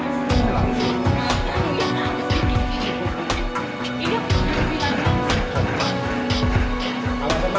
yang dibilang hanya ada beberapa kasus yang tadi itu perkembangan jadi kita hampir tetap